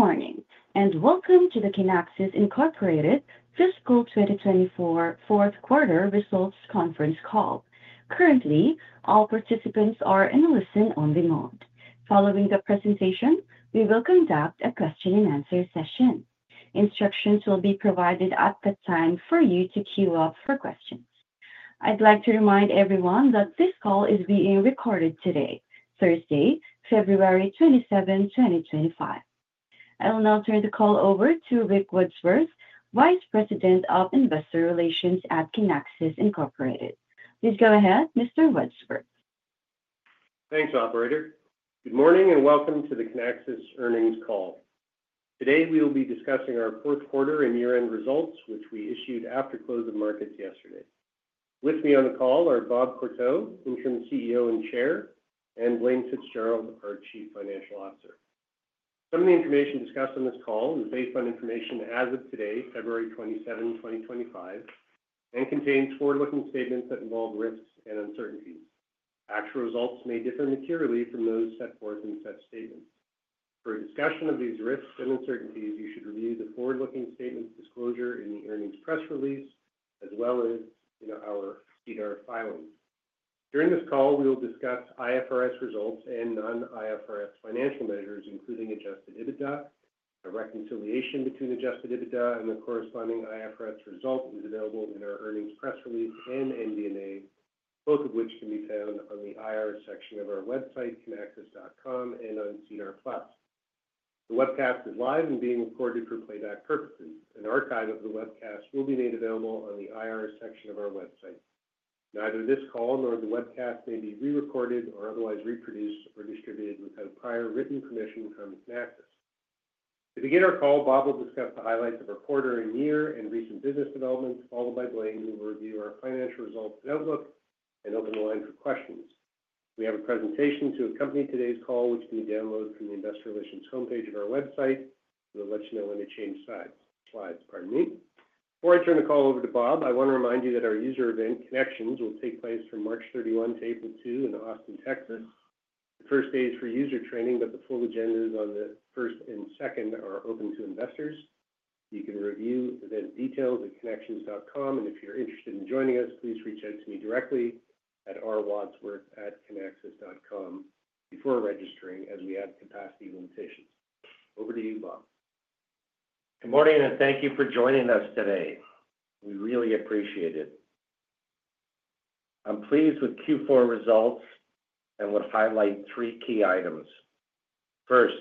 Good morning, and welcome to the Kinaxis Incorporated Fiscal 2024 Fourth Quarter Results Conference call. Currently, all participants are in a listen-only mode. Following the presentation, we will conduct a question-and-answer session. Instructions will be provided at that time for you to queue up for questions. I'd like to remind everyone that this call is being recorded today, Thursday, February 27, 2025. I will now turn the call over to Rick Wadsworth, Vice President of Investor Relations at Kinaxis Incorporated. Please go ahead, Mr. Wadsworth. Thanks, Operator. Good morning and welcome to the Kinaxis Earnings Call. Today, we will be discussing our Q1 and year-end results, which we issued after close of markets yesterday. With me on the call are Bob Courteau, Interim CEO and Chair, and Blaine Fitzgerald, our Chief Financial Officer. Some of the information discussed on this call is based on information as of today, February 27, 2025, and contains forward-looking statements that involve risks and uncertainties. Actual results may differ materially from those set forth in such statements. For a discussion of these risks and uncertainties, you should review the forward-looking statement disclosure in the earnings press release, as well as in our SEDAR+ filing. During this call, we will discuss IFRS results and non-IFRS financial measures, including Adjusted EBITDA.A reconciliation between Adjusted EBITDA and the corresponding IFRS result is available in our earnings press release and MD&A, both of which can be found on the IR section of our website, Kinaxis.com, and on SEDAR+. The webcast is live and being recorded for playback purposes. An archive of the webcast will be made available on the IR section of our website. Neither this call nor the webcast may be re-recorded or otherwise reproduced or distributed without prior written permission from Kinaxis. To begin our call, Bob will discuss the highlights of our quarter and year and recent business developments, followed by Blaine, who will review our financial results and outlook and open the line for questions. We have a presentation to accompany today's call, which can be downloaded from the Investor Relations homepage of our website. We'll let you know when it changes sides. Slides, pardon me. Before I turn the call over to Bob, I want to remind you that our user event Kinexions will take place from March 31 to April 2 in Austin, Texas. The first day is for user training, but the full agenda is on the first and second are open to investors. You can review the event details at kinaxis.com, and if you're interested in joining us, please reach out to me directly at r.wadsworth@kinaxis.com before registering, as we have capacity limitations. Over to you, Bob. Good morning, and thank you for joining us today. We really appreciate it. I'm pleased with Q4 results and would highlight three key items. First,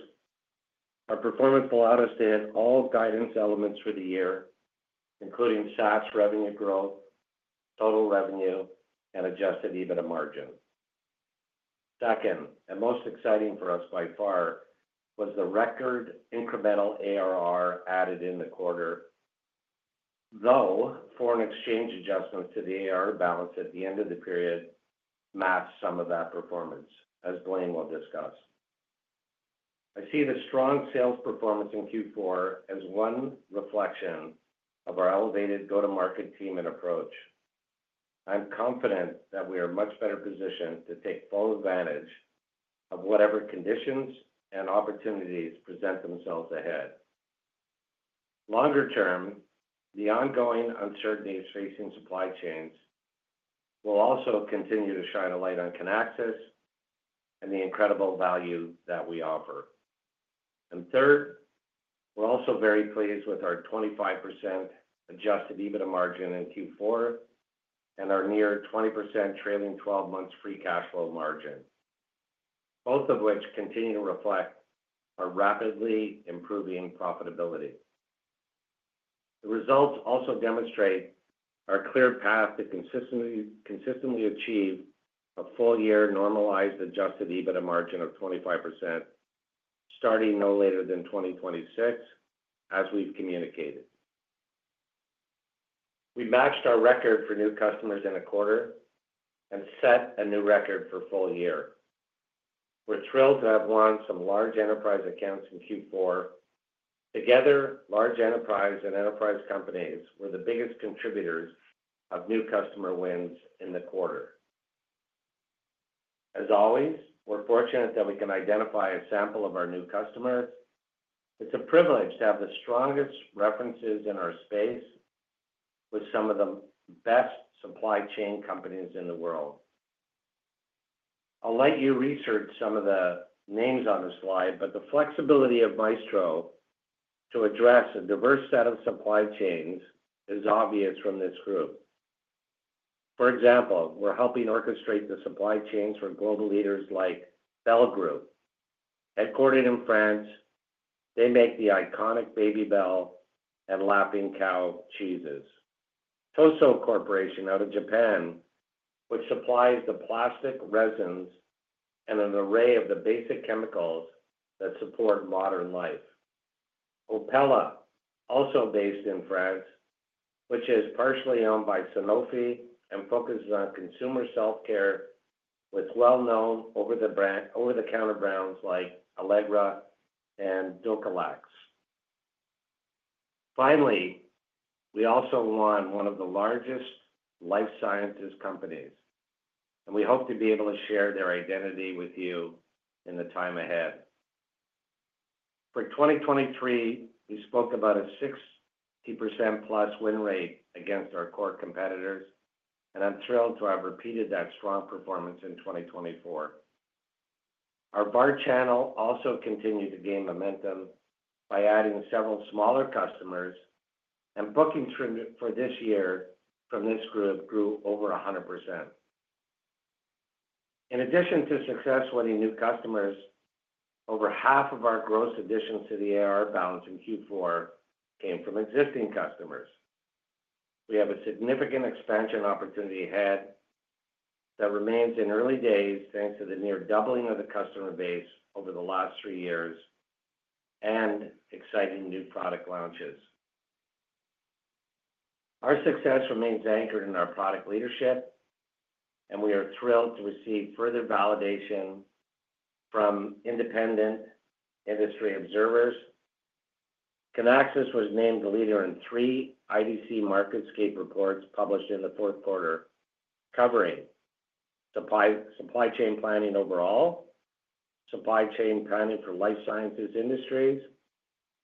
our performance allowed us to hit all guidance elements for the year, including SaaS revenue growth, total revenue, and adjusted EBITDA margin. Second, and most exciting for us by far, was the record incremental ARR added in the quarter, though foreign exchange adjustments to the ARR balance at the end of the period matched some of that performance, as Blaine will discuss. I see the strong sales performance in Q4 as one reflection of our elevated go-to-market team and approach. I'm confident that we are much better positioned to take full advantage of whatever conditions and opportunities present themselves ahead. Longer term, the ongoing uncertainties facing supply chains will also continue to shine a light on Kinaxis and the incredible value that we offer. Third, we're also very pleased with our 25% Adjusted EBITDA margin in Q4 and our near 20% trailing 12-month free cash flow margin, both of which continue to reflect our rapidly improving profitability. The results also demonstrate our clear path to consistently achieve a full-year normalized Adjusted EBITDA margin of 25%, starting no later than 2026, as we've communicated. We matched our record for new customers in a quarter and set a new record for full year. We're thrilled to have won some large enterprise accounts in Q4. Together, large enterprise and enterprise companies were the biggest contributors of new customer wins in the quarter. As always, we're fortunate that we can identify a sample of our new customers. It's a privilege to have the strongest references in our space with some of the best supply chain companies in the world. I'll let you research some of the names on the slide, but the flexibility of Maestro to address a diverse set of supply chains is obvious from this group. For example, we're helping orchestrate the supply chains for global leaders like Bel Group, headquartered in France. They make the iconic Babybel and The Laughing Cow cheeses. Tosoh Corporation out of Japan, which supplies the plastic resins and an array of the basic chemicals that support modern life. Opella, also based in France, which is partially owned by Sanofi and focuses on consumer self-care, with well-known over-the-counter brands like Allegra and Dulcolax. Finally, we also won one of the largest life sciences companies, and we hope to be able to share their identity with you in the time ahead. For 2023, we spoke about a 60%-plus win rate against our core competitors, and I'm thrilled to have repeated that strong performance in 2024. Our VAR channel also continued to gain momentum by adding several smaller customers, and bookings for this year from this group grew over 100%. In addition to success-winning new customers, over half of our gross additions to the ARR balance in Q4 came from existing customers. We have a significant expansion opportunity ahead that remains in early days thanks to the near doubling of the customer base over the last three years and exciting new product launches. Our success remains anchored in our product leadership, and we are thrilled to receive further validation from independent industry observers. Kinaxis was named the leader in three IDC MarketScape reports published in the Q1, covering supply chain planning overall, supply chain planning for life sciences industries,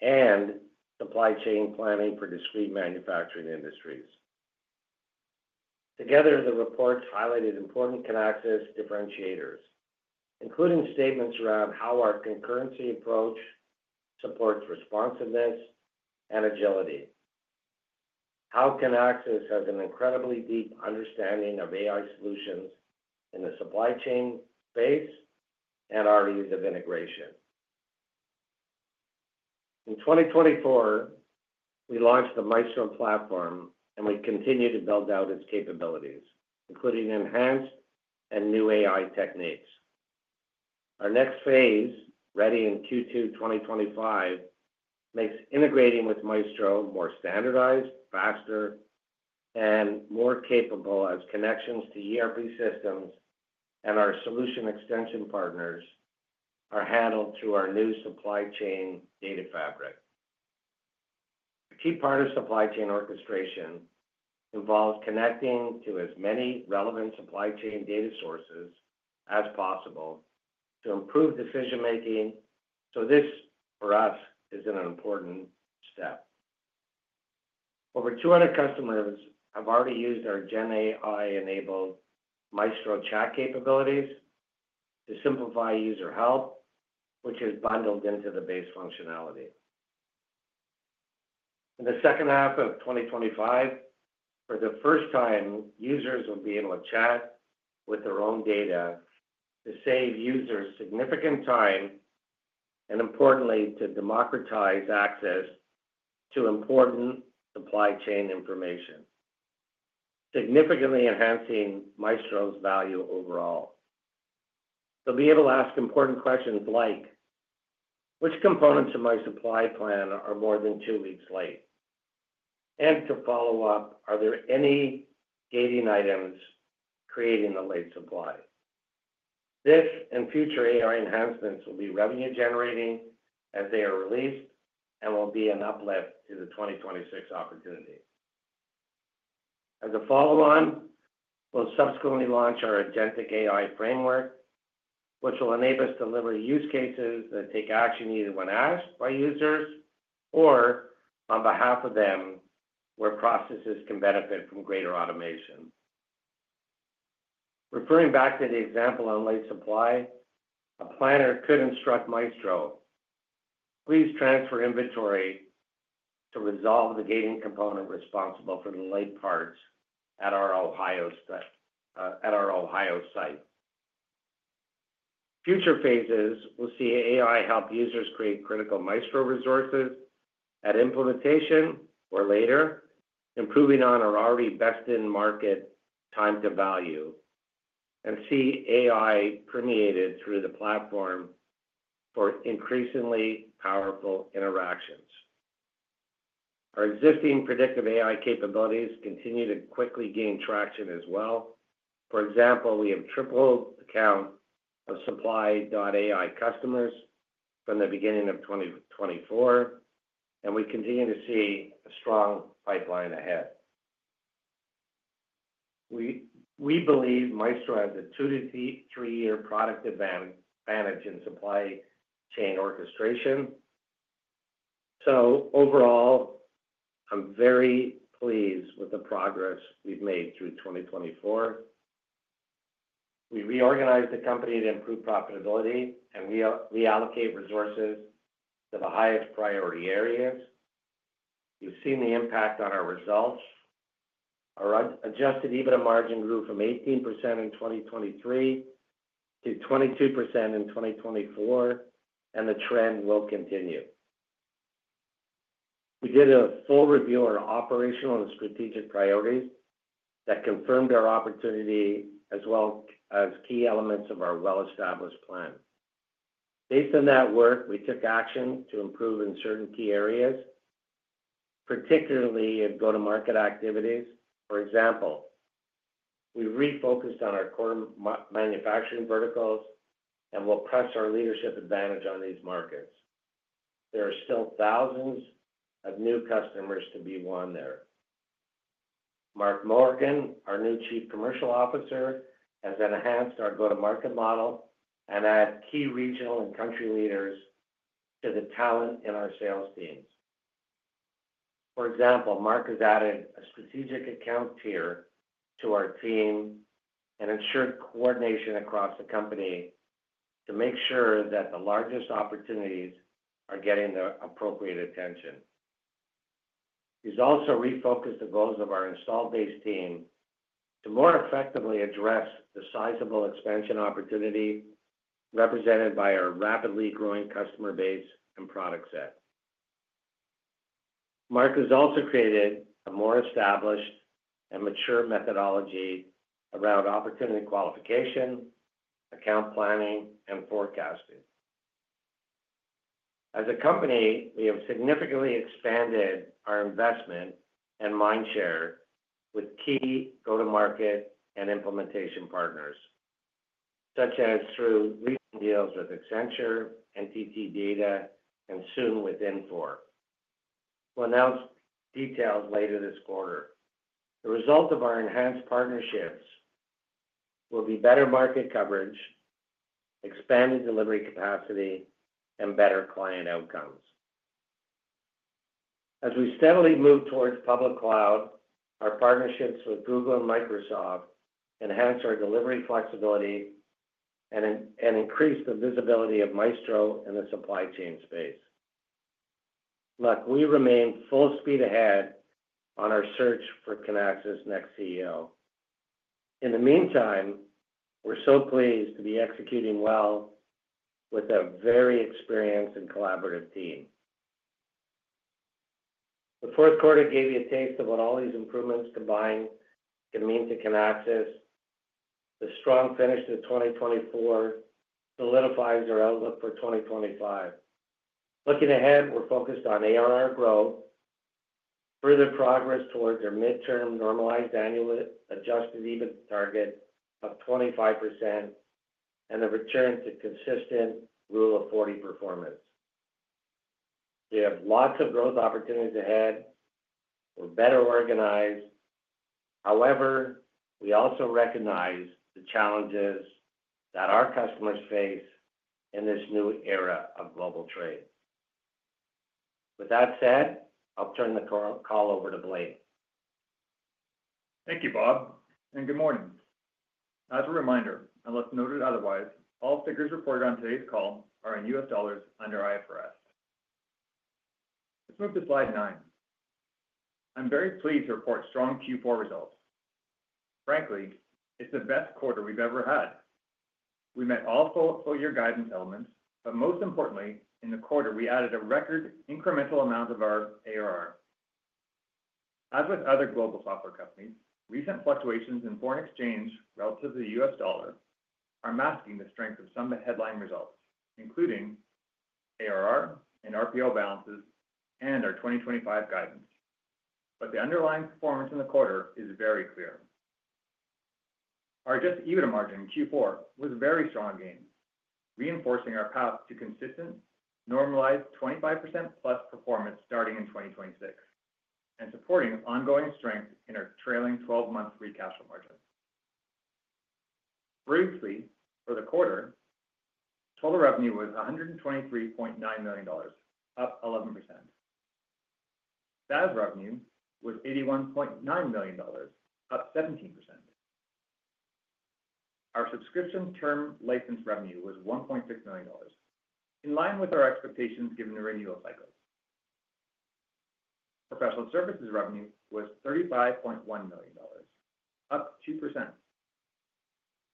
and supply chain planning for discrete manufacturing industries. Together, the reports highlighted important Kinaxis differentiators, including statements around how our concurrency approach supports responsiveness and agility. How Kinaxis has an incredibly deep understanding of AI solutions in the supply chain space and our ease of integration. In 2024, we launched the Maestro platform, and we continue to build out its capabilities, including enhanced and new AI techniques. Our next phase, ready in Q2 2025, makes integrating with Maestro more standardized, faster, and more capable as connections to ERP systems and our Solution Extension partners are handled through our new Supply Chain Data Fabric. A key part of supply chain orchestration involves connecting to as many relevant supply chain data sources as possible to improve decision-making. So this, for us, is an important step. Over 200 customers have already used our GenAI-enabled Maestro chat capabilities to simplify user help, which is bundled into the base functionality. In the second half of 2025, for the first time, users will be able to chat with their own data to save users significant time and, importantly, to democratize access to important supply chain information, significantly enhancing Maestro's value overall. They'll be able to ask important questions like, "Which components of my supply plan are more than two weeks late?" and to follow up, "Are there any gating items creating the late supply?" This and future AI enhancements will be revenue-generating as they are released and will be an uplift to the 2026 opportunity. As a follow-on, we'll subsequently launch our Agentic AI framework, which will enable us to deliver use cases that take action either when asked by users or on behalf of them, where processes can benefit from greater automation. Referring back to the example on late supply, a planner could instruct Maestro, "Please transfer inventory to resolve the gating component responsible for the late parts at our Ohio site." Future phases will see AI help users create critical Maestro resources at implementation or later, improving on our already best-in-market time-to-value, and see AI permeated through the platform for increasingly powerful interactions. Our existing predictive AI capabilities continue to quickly gain traction as well. For example, we have tripled the count of Supply.AI customers from the beginning of 2024, and we continue to see a strong pipeline ahead. We believe Maestro has a 2- to 3-year product advantage in supply chain orchestration. So overall, I'm very pleased with the progress we've made through 2024. We reorganized the company to improve profitability, and we reallocate resources to the highest priority areas. We've seen the impact on our results. Our adjusted EBITDA margin grew from 18% in 2023 to 22% in 2024, and the trend will continue. We did a full review of our operational and strategic priorities that confirmed our opportunity as well as key elements of our well-established plan. Based on that work, we took action to improve in certain key areas, particularly in go-to-market activities. For example, we refocused on our core manufacturing verticals and will press our leadership advantage on these markets. There are still thousands of new customers to be won there. Mark Morgan, our new Chief Commercial Officer, has enhanced our go-to-market model and added key regional and country leaders to the talent in our sales teams. For example, Mark has added a strategic account tier to our team and ensured coordination across the company to make sure that the largest opportunities are getting the appropriate attention. He's also refocused the goals of our installed base team to more effectively address the sizable expansion opportunity represented by our rapidly growing customer base and product set. Mark has also created a more established and mature methodology around opportunity qualification, account planning, and forecasting. As a company, we have significantly expanded our investment and mind share with key go-to-market and implementation partners, such as through recent deals with Accenture, NTT DATA, and soon with Infor. We'll announce details later this quarter. The result of our enhanced partnerships will be better market coverage, expanded delivery capacity, and better client outcomes. As we steadily move towards public cloud, our partnerships with Google and Microsoft enhance our delivery flexibility and increase the visibility of Maestro in the supply chain space. Look, we remain full speed ahead on our search for Kinaxis' next CEO. In the meantime, we're so pleased to be executing well with a very experienced and collaborative team. The Q4 gave you a taste of what all these improvements combined can mean to Kinaxis. The strong finish to 2024 solidifies our outlook for 2025. Looking ahead, we're focused on ARR growth, further progress towards our midterm normalized annually adjusted EBITDA target of 25%, and the return to consistent Rule of 40 performance. We have lots of growth opportunities ahead. We're better organized. However, we also recognize the challenges that our customers face in this new era of global trade. With that said, I'll turn the call over to Blaine. Thank you, Bob. Good morning. As a reminder, unless noted otherwise, all figures reported on today's call are in U.S. dollars under IFRS. Let's move to slide nine. I'm very pleased to report strong Q4 results. Frankly, it's the best quarter we've ever had. We met all full-year guidance elements, but most importantly, in the quarter, we added a record incremental amount of our ARR. As with other global software companies, recent fluctuations in foreign exchange relative to the U.S. dollar are masking the strength of some of the headline results, including ARR and RPO balances and our 2025 guidance. The underlying performance in the quarter is very clear. Our adjusted EBITDA margin in Q4 was a very strong 27%, reinforcing our path to consistent normalized 25%-plus performance starting in 2026 and supporting ongoing strength in our trailing 12-month free cash flow margin. Briefly, for the quarter, total revenue was $123,900,000, up 11%. SaaS revenue was $81,900,000, up 17%. Our subscription term license revenue was $1,600,000, in line with our expectations given the renewal cycle. Professional services revenue was $35,100,000, up 2%.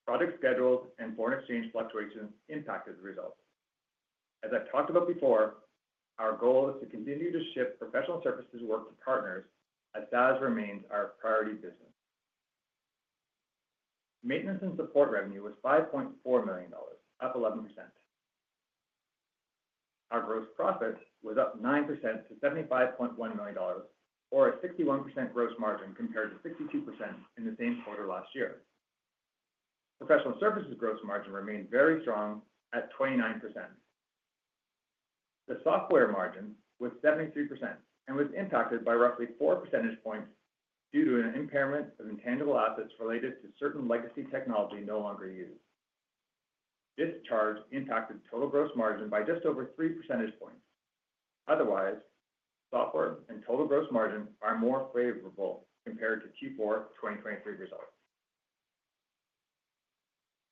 Product schedules and foreign exchange fluctuations impacted the results. As I've talked about before, our goal is to continue to ship professional services work to partners as SaaS remains our priority business. Maintenance and support revenue was $5,400,000, up 11%. Our gross profit was up 9% to $75,100,000, or a 61% gross margin compared to 62% in the same quarter last year. Professional services gross margin remained very strong at 29%. The software margin was 73% and was impacted by roughly 4% points due to an impairment of intangible assets related to certain legacy technology no longer used. This charge impacted total gross margin by just over 3% points. Otherwise, software and total gross margin are more favorable compared to Q4 2023 results.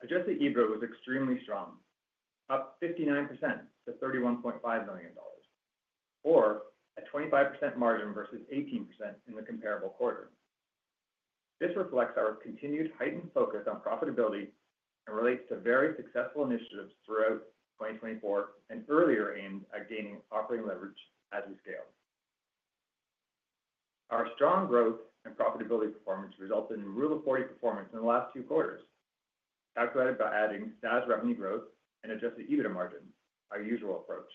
Adjusted EBITDA was extremely strong, up 59% to $31,500,000, or a 25% margin versus 18% in the comparable quarter. This reflects our continued heightened focus on profitability and relates to very successful initiatives throughout 2024 and earlier aimed at gaining operating leverage as we scale. Our strong growth and profitability performance resulted in Rule of 40 performance in the last two quarters, calculated by adding SaaS revenue growth and adjusted EBITDA margin, our usual approach.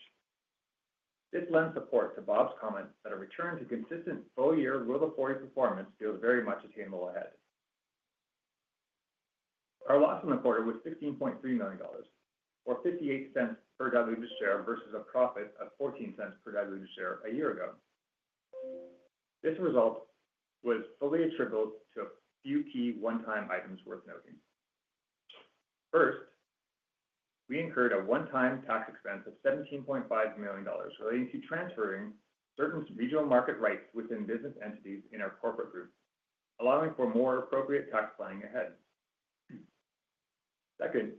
This lends support to Bob's comment that a return to consistent full-year Rule of 40 performance feels very much attainable ahead. Our loss in the quarter was $16,300,000, or $0.58 per diluted share versus a profit of $0.14 per diluted share a year ago. This result was fully attributable to a few key one-time items worth noting. First, we incurred a one-time tax expense of $17,500,000 relating to transferring certain regional market rights within business entities in our corporate group, allowing for more appropriate tax planning ahead. Second,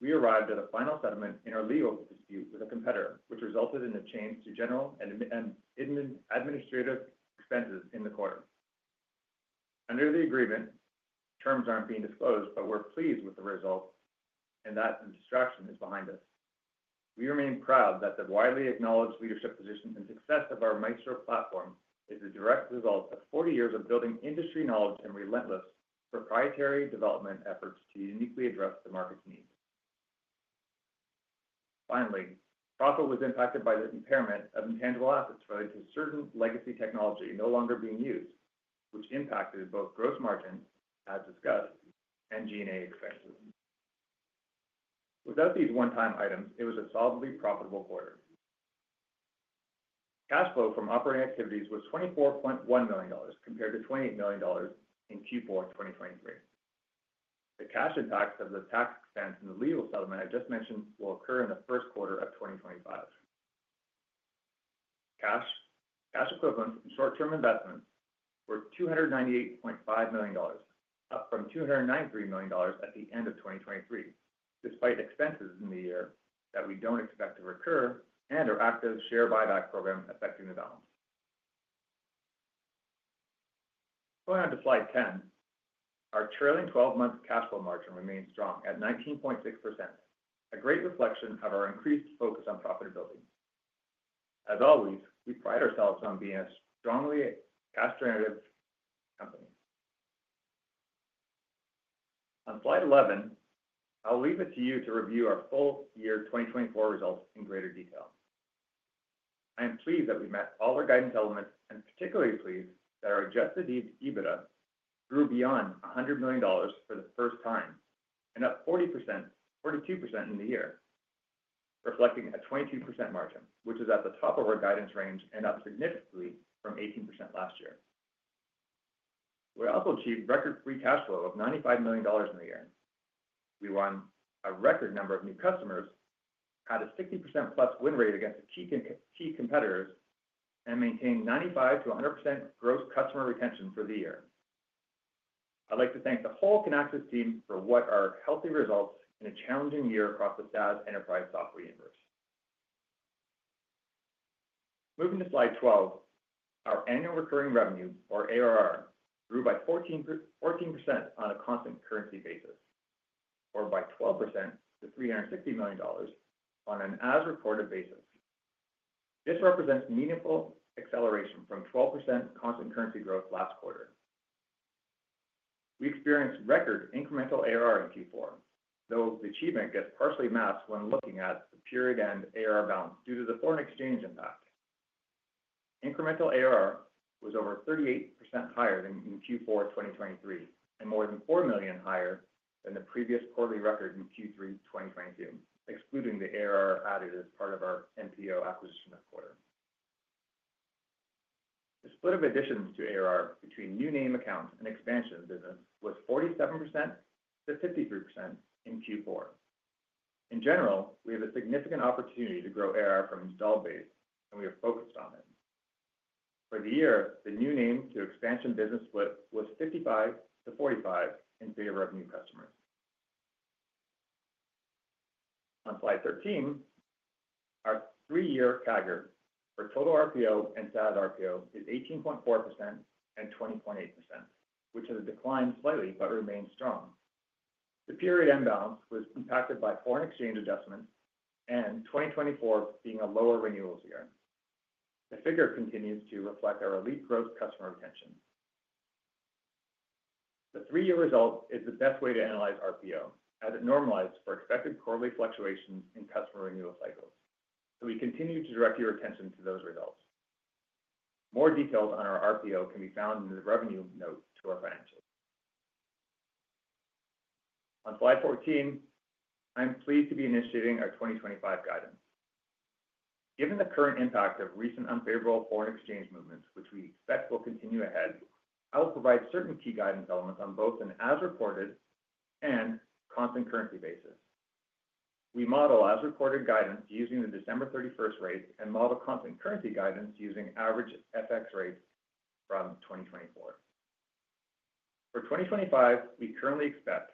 we arrived at a final settlement in our legal dispute with a competitor, which resulted in a change to general and administrative expenses in the quarter. Under the agreement, terms aren't being disclosed, but we're pleased with the result and that the distraction is behind us. We remain proud that the widely acknowledged leadership position and success of our Maestro platform is the direct result of 40 years of building industry knowledge and relentless proprietary development efforts to uniquely address the market's needs. Finally, profit was impacted by the impairment of intangible assets related to certain legacy technology no longer being used, which impacted both gross margins, as discussed, and G&A expenses. Without these one-time items, it was a solidly profitable quarter. Cash flow from operating activities was $24,100,000 compared to $28,000,000 in Q4 2023. The cash impacts of the tax expense in the legal settlement I just mentioned will occur in the Q1 of 2025. Cash equivalents and short-term investments were $298,500,000, up from $293,000,000 at the end of 2023, despite expenses in the year that we don't expect to recur and our active share buyback program affecting the balance. Going on to slide 10, our trailing 12-month cash flow margin remains strong at 19.6%, a great reflection of our increased focus on profitability. As always, we pride ourselves on being a strongly cash-generative company. On slide 11, I'll leave it to you to review our full year 2024 results in greater detail. I am pleased that we met all our guidance elements and particularly pleased that our adjusted EBITDA grew beyond $100,000,000 for the first time and up 42% in the year, reflecting a 22% margin, which is at the top of our guidance range and up significantly from 18% last year. We also achieved record free cash flow of $95,000,000 in the year. We won a record number of new customers, had a 60%-plus win rate against key competitors, and maintained 95% to 100% gross customer retention for the year. I'd like to thank the whole Kinaxis team for what are healthy results in a challenging year across the SaaS enterprise software universe. Moving to slide 12, our annual recurring revenue, or ARR, grew by 14% on a constant currency basis, or by 12% to $360,000,000 on an as-reported basis. This represents meaningful acceleration from 12% constant currency growth last quarter. We experienced record incremental ARR in Q4, though the achievement gets partially masked when looking at the period-end ARR balance due to the foreign exchange impact. Incremental ARR was over 38% higher than in Q4 2023 and more than $4,000,000 higher than the previous quarterly record in Q3 2022, excluding the ARR added as part of our MPO acquisition this quarter. The split of additions to ARR between new name accounts and expansion of business was 47%-53% in Q4. In general, we have a significant opportunity to grow ARR from installed base, and we have focused on it. For the year, the new name to expansion business split was 55% - 45% in favor of new customers. On slide 13, our three-year CAGR for total RPO and SaaS RPO is 18.4% and 20.8%, which has declined slightly but remains strong. The period-end balance was impacted by foreign exchange adjustments and 2024 being a lower renewals year. The figure continues to reflect our elite gross customer retention. The three-year result is the best way to analyze RPO as it normalizes for expected quarterly fluctuations in customer renewal cycles. So we continue to direct your attention to those results. More details on our RPO can be found in the revenue note to our financials. On slide 14, I'm pleased to be initiating our 2025 guidance. Given the current impact of recent unfavorable foreign exchange movements, which we expect will continue ahead, I will provide certain key guidance elements on both an as-reported and constant currency basis. We model as-reported guidance using the December 31st rates and model constant currency guidance using average FX rates from 2024. For 2025, we currently expect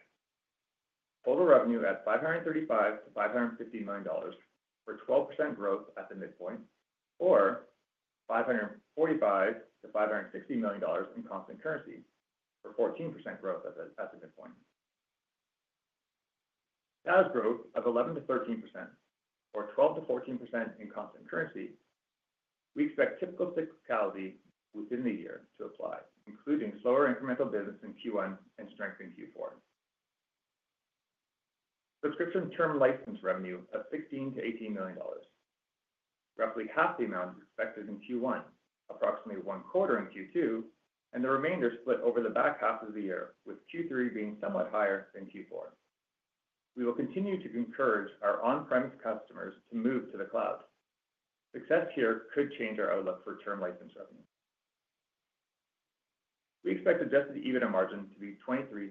total revenue at $535,000,000-$550,000,000 for 12% growth at the midpoint, or $545,000,000-$560 ,000,000 in constant currency for 14% growth at the midpoint. SaaS growth of 11%-13%, or 12%-14% in constant currency. We expect typical cyclicality within the year to apply, including slower incremental business in Q1 and strength in Q4. Subscription term license revenue of $16,000,000-$18,000,000, roughly half the amount expected in Q1, approximately one quarter in Q2, and the remainder split over the back half of the year, with Q3 being somewhat higher than Q4. We will continue to encourage our on-premise customers to move to the cloud. Success here could change our outlook for term license revenue. We expect adjusted EBITDA margin to be 23%-25%.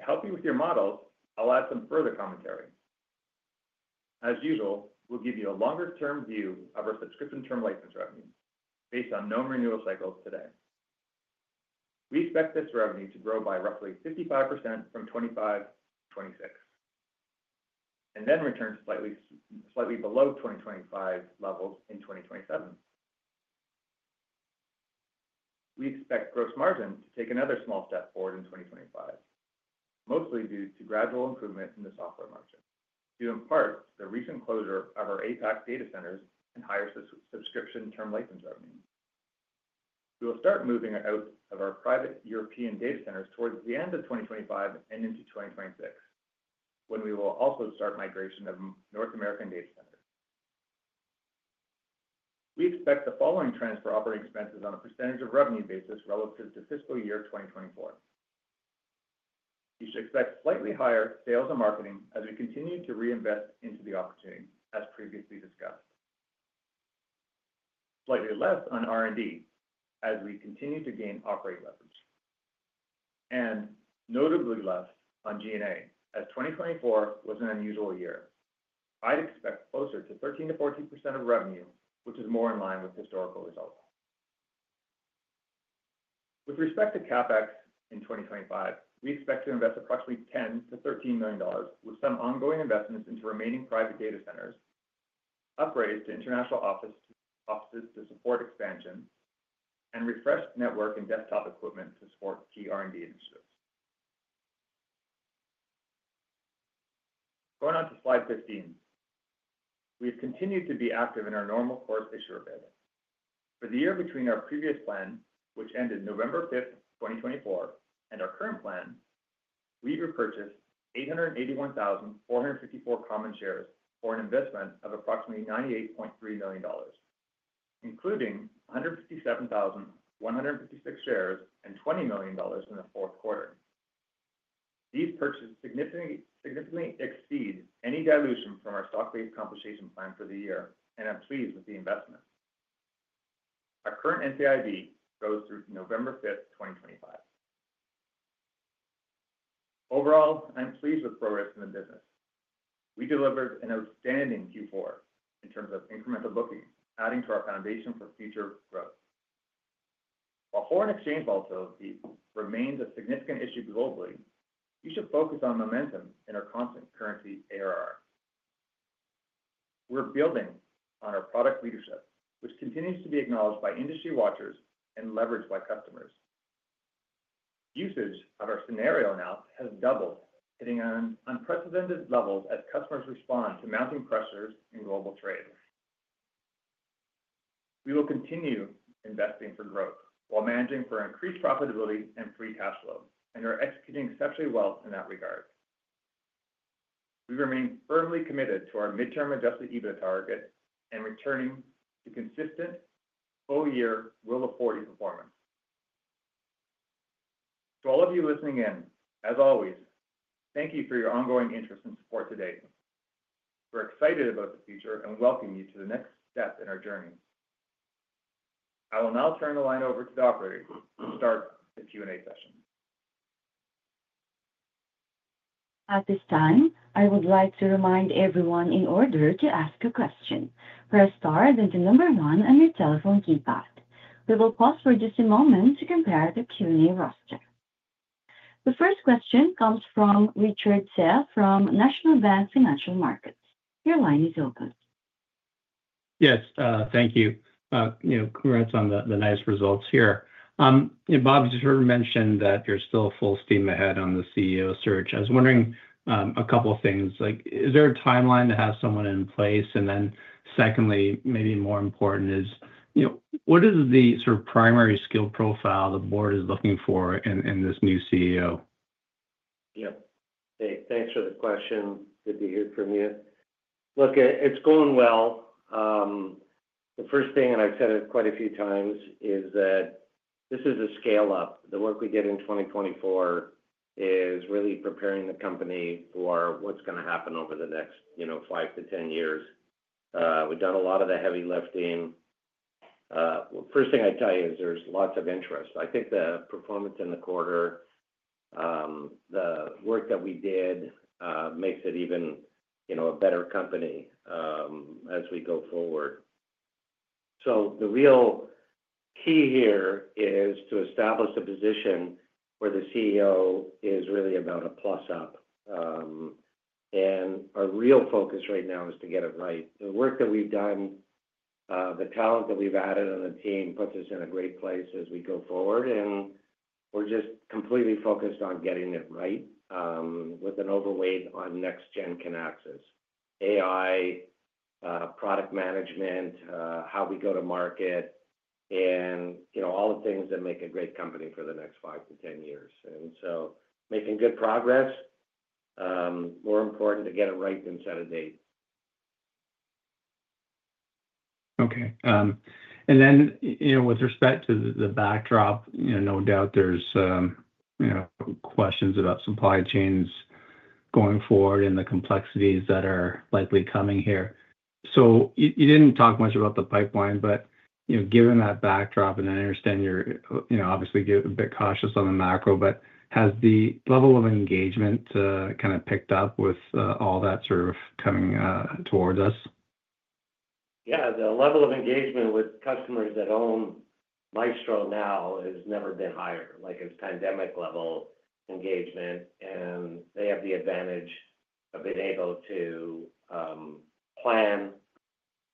To help you with your models, I'll add some further commentary. As usual, we'll give you a longer-term view of our subscription term license revenue based on known renewal cycles today. We expect this revenue to grow by roughly 55% from 2025 -2026 and then return to slightly below 2025 levels in 2027.We expect gross margin to take another small step forward in 2025, mostly due to gradual improvement in the software margin, due in part to the recent closure of our APAC data centers and higher subscription term license revenue. We will start moving out of our private European data centers towards the end of 2025 and into 2026, when we will also start migration of North American data centers. We expect the following trends for operating expenses on a percentage of revenue basis relative to fiscal year 2024. You should expect slightly higher sales and marketing as we continue to reinvest into the opportunity, as previously discussed, slightly less on R&D as we continue to gain operating leverage, and notably less on G&A, as 2024 was an unusual year. I'd expect closer to 13%-14% of revenue, which is more in line with historical results. With respect to CapEx in 2025, we expect to invest approximately $10,000,000-$13,000,000, with some ongoing investments into remaining private data centers, upgrades to international offices to support expansion, and refreshed network and desktop equipment to support key R&D initiatives. Going on to slide 15, we have continued to be active in our normal course issuer bid. For the year between our previous plan, which ended November 5th, 2024, and our current plan, we repurchased 881,454 common shares for an investment of approximately $98.3,000,000, including 157,156 shares and $20,000,000 in the Q1. These purchases significantly exceed any dilution from our stock-based compensation plan for the year and I'm pleased with the investment. Our current NCIB goes through November 5th, 2025. Overall, I'm pleased with progress in the business. We delivered an outstanding Q4 in terms of incremental booking, adding to our foundation for future growth. While foreign exchange volatility remains a significant issue globally, we should focus on momentum in our constant currency ARR. We're building on our product leadership, which continues to be acknowledged by industry watchers and leveraged by customers. Usage of our scenario now has doubled, hitting on unprecedented levels as customers respond to mounting pressures in global trade. We will continue investing for growth while managing for increased profitability and free cash flow, and we're executing exceptionally well in that regard. We remain firmly committed to our midterm Adjusted EBITDA target and returning to consistent full-year Rule of 40 performance. To all of you listening in, as always, thank you for your ongoing interest and support today. We're excited about the future and welcome you to the next step in our journey.I will now turn the line over to the operator to start the Q&A session. At this time, I would like to remind everyone, in order to ask a question, press star one on your telephone keypad. We will pause for just a moment to compile the Q&A roster. The first question comes from Richard Tse from National Bank Financial. Your line is open. Yes, thank you. Congrats on the nice results here. Bob, you sort of mentioned that you're still full steam ahead on the CEO search. I was wondering a couple of things. Is there a timeline to have someone in place? And then secondly, maybe more important, what is the sort of primary skill profile the board is looking for in this new CEO? Yep. Thanks for the question. Good to hear from you. Look, it's going well. The first thing, and I've said it quite a few times, is that this is a scale-up. The work we did in 2024 is really preparing the company for what's going to happen over the next 5-10 years. We've done a lot of the heavy lifting. The first thing I'd tell you is there's lots of interest. I think the performance in the quarter, the work that we did, makes it even a better company as we go forward, so the real key here is to establish a position where the CEO is really about a plus-up, and our real focus right now is to get it right. The work that we've done, the talent that we've added on the team puts us in a great place as we go forward. We're just completely focused on getting it right with an overweight on next-gen Kinaxis AI, product management, how we go to market, and all the things that make a great company for the next 5-10 years. So making good progress, more important to get it right than set a date. Okay. Then with respect to the backdrop, no doubt there's questions about supply chains going forward and the complexities that are likely coming here. You didn't talk much about the pipeline, but given that backdrop, and I understand you're obviously a bit cautious on the macro, but has the level of engagement kind of picked up with all that sort of coming towards us? Yeah. The level of engagement with customers that own Maestro now has never been higherLike it's pandemic-level engagement, and they have the advantage of being able to plan,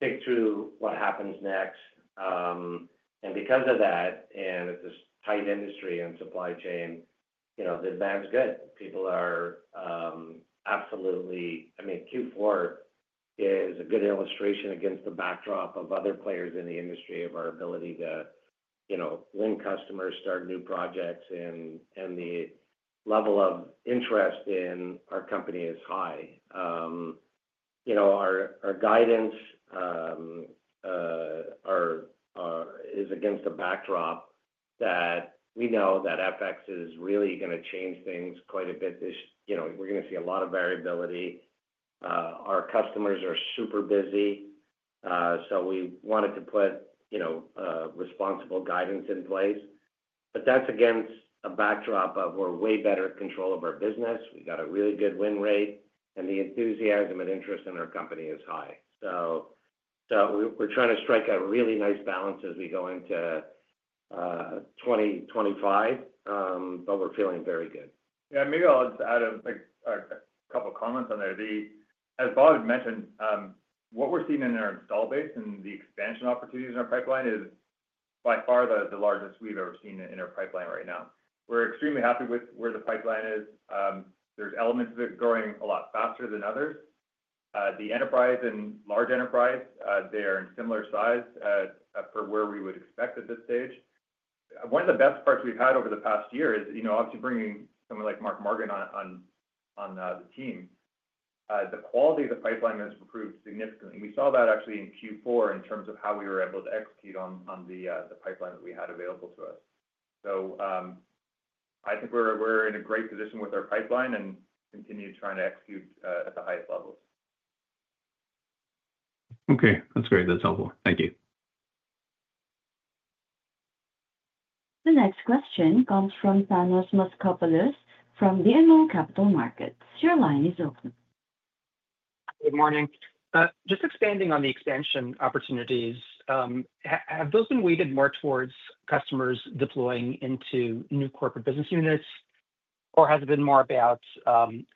think through what happens next, and because of that, and it's a tight industry on supply chain, the demand's good. People are absolutely, I mean, Q4 is a good illustration against the backdrop of other players in the industry of our ability to win customers, start new projects, and the level of interest in our company is high. Our guidance is against a backdrop that we know that FX is really going to change things quite a bit. We're going to see a lot of variability. Our customers are super busy, so we wanted to put responsible guidance in place, but that's against a backdrop of we're way better control of our business. We've got a really good win rate, and the enthusiasm and interest in our company is high. So we're trying to strike a really nice balance as we go into 2025, but we're feeling very good. Yeah. Maybe I'll add a couple of comments on there. As Bob mentioned, what we're seeing in our install base and the expansion opportunities in our pipeline is by far the largest we've ever seen in our pipeline right now. We're extremely happy with where the pipeline is. There's elements of it growing a lot faster than others. The enterprise and large enterprise, they are in similar size for where we would expect at this stage. One of the best parts we've had over the past year is obviously bringing someone like Mark Morgan on the team. The quality of the pipeline has improved significantly. We saw that actually in Q4 in terms of how we were able to execute on the pipeline that we had available to us. So I think we're in a great position with our pipeline and continue trying to execute at the highest levels. Okay. That's great. That's helpful. Thank you. The next question comes from Thanos Moschopoulos from BMO Capital Markets. Your line is open. Good morning. Just expanding on the expansion opportunities, have those been weighted more towards customers deploying into new corporate business units, or has it been more about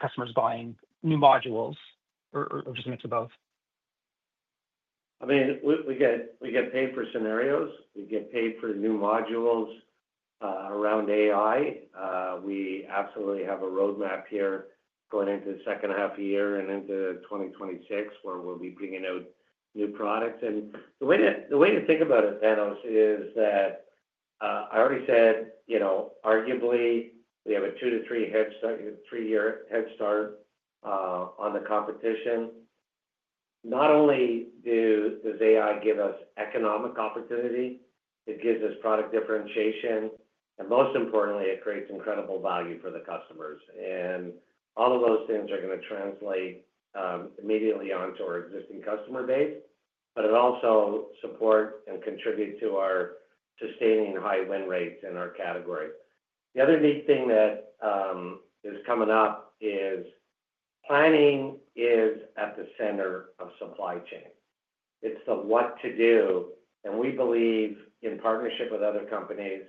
customers buying new modules or just a mix of both? I mean, we get paid for scenarios. We get paid for new modules around AI. We absolutely have a roadmap here going into the second half of the year and into 2026, where we'll be bringing out new products. And the way to think about it, Thanos, is that I already said arguably we have a 2-3 year head start on the competition. Not only does AI give us economic opportunity, it gives us product differentiation, and most importantly, it creates incredible value for the customers, and all of those things are going to translate immediately onto our existing customer base, but it also supports and contributes to our sustaining high win rates in our category. The other neat thing that is coming up is planning is at the center of supply chain. It's the what to do, and we believe in partnership with other companies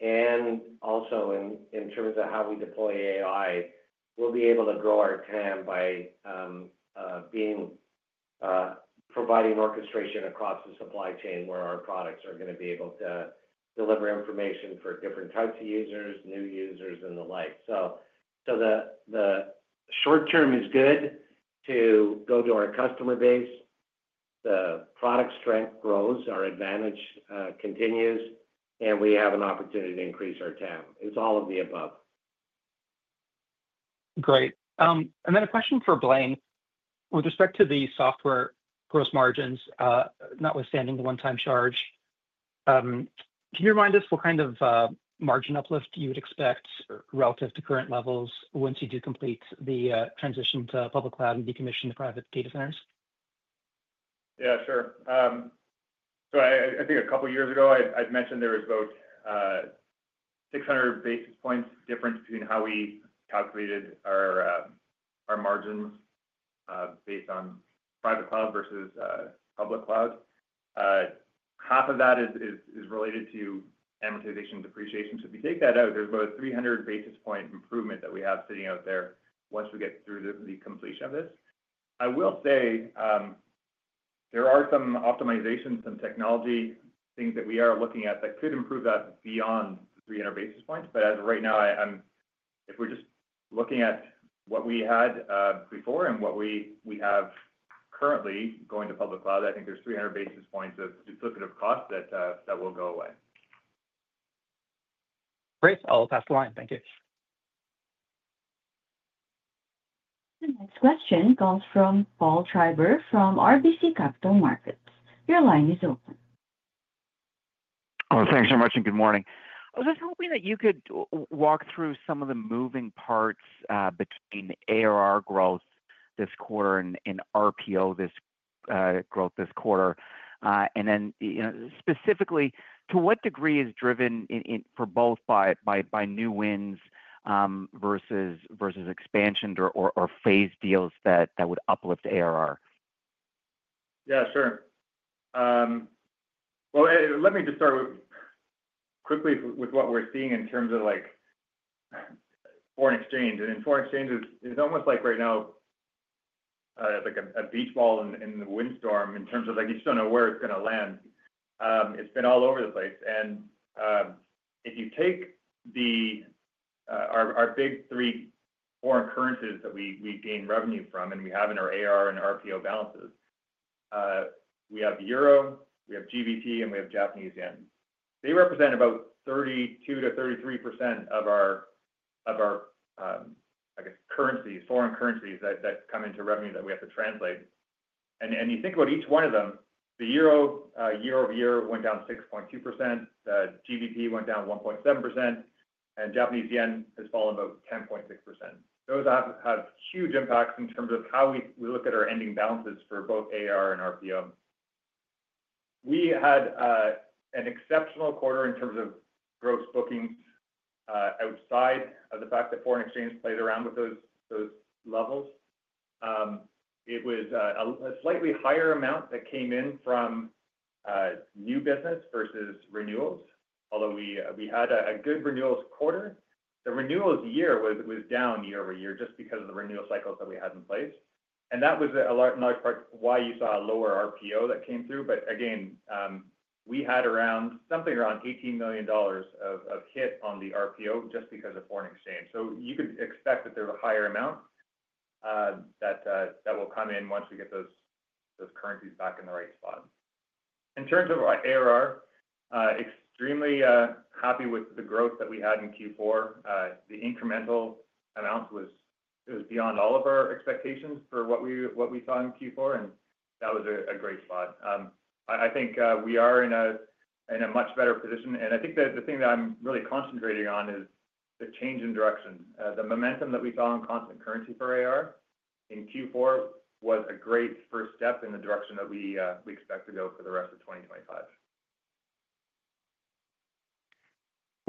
and also in terms of how we deploy AI, we'll be able to grow our TAM by providing orchestration across the supply chain where our products are going to be able to deliver information for different types of users, new users, and the like, so the short term is good to go to our customer base. The product strength grows, our advantage continues, and we have an opportunity to increase our TAM. It's all of the above. Great, and then a question for Blaine with respect to the software gross margins, notwithstanding the one-time charge. Can you remind us what kind of margin uplift you would expect relative to current levels once you do complete the transition to public cloud and decommission the private data centers? Yeah, sure. So I think a couple of years ago, I'd mentioned there was about 600 basis points difference between how we calculated our margins based on private cloud versus public cloud. Half of that is related to amortization depreciation. So if you take that out, there's about a 300 basis point improvement that we have sitting out there once we get through the completion ofI will say there are some optimizations, some technology things that we are looking at that could improve that beyond the 300 basis points. But as of right now, if we're just looking at what we had before and what we have currently going to public cloud, I think there's 300 basis points of duplicative cost that will go away. Great, I'll pass the line. Thank you. The next question comes from Paul Treiber from RBC Capital Markets. Your line is open. Thanks so much and good morning. I was just hoping that you could walk through some of the moving parts between ARR growth this quarter and RPO growth this quarter. And then specifically, to what degree is driven for both by new wins versus expansion or phase deals that would uplift ARR? Yeah, sure. Let me just start quickly with what we're seeing in terms of foreign exchange. In foreign exchange, it's almost like right now, it's like a beach ball in the windstorm in terms of you just don't know where it's going to land. It's been all over the place. If you take our big three foreign currencies that we gain revenue from and we have in our ARR and RPO balances, we have Euro, we have GBP, and we have Japanese Yen. They represent about 32%-33% of our, I guess, currencies, foreign currencies that come into revenue that we have to translate. You think about each one of them, the Euro year over year went down 6.2%, GBP went down 1.7%, and Japanese Yen has fallen about 10.6%.Those have huge impacts in terms of how we look at our ending balances for both ARR and RPO. We had an exceptional quarter in terms of gross bookings outside of the fact that foreign exchange played around with those levels. It was a slightly higher amount that came in from new business versus renewals, although we had a good renewals quarter. The renewals year was down year over year just because of the renewal cycles that we had in place. And that was, in large part, why you saw a lower RPO that came through. But again, we had something around $18,000,000 of hit on the RPO just because of foreign exchange. So you could expect that there's a higher amount that will come in once we get those currencies back in the right spot. In terms of ARR, extremely happy with the growth that we had in Q4. The incremental amount was beyond all of our expectations for what we saw in Q4, and that was a great spot. I think we are in a much better position, and I think the thing that I'm really concentrating on is the change in direction. The momentum that we saw in constant currency for ARR in Q4 was a great first step in the direction that we expect to go for the rest of 2025.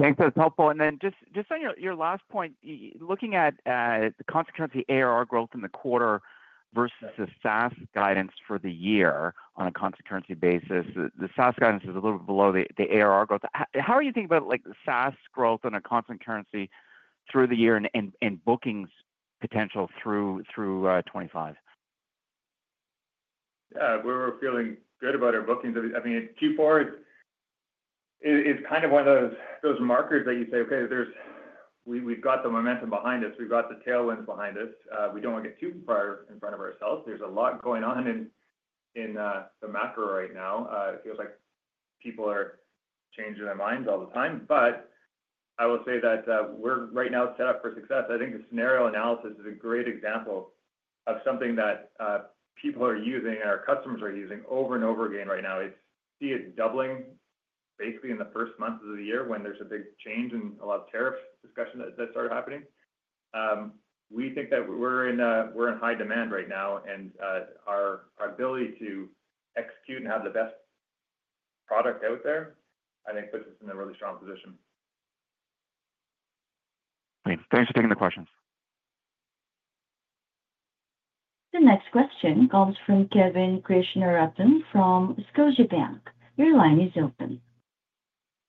Thanks. That's helpful, and then just on your last point, looking at the constant currency of ARR growth in the quarter versus the SaaS guidance for the year on a constant currency basis, the SaaS guidance is a little bit below the ARR growth. How are you thinking about the SaaS growth on a constant currency through the year and bookings potential through 2025? Yeah. We're feeling good about our bookings. I mean, Q4 is kind of one of those markers that you say, "Okay, we've got the momentum behind us. We've got the tailwinds behind us. We don't want to get too far in front of ourselves." There's a lot going on in the macro right now. It feels like people are changing their minds all the time. But I will say that we're right now set up for success. I think the scenario analysis is a great example of something that people are using and our customers are using over and over again right now. You see it doubling basically in the first months of the year when there's a big change in a lot of tariff discussion that started happening. We think that we're in high demand right now, and our ability to execute and have the best product out there, I think, puts us in a really strong position. Thanks for taking the questions. The next question comes from Kevin Krishnaratne from Scotiabank. Your line is open.